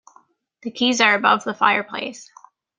The keys are above the fireplace.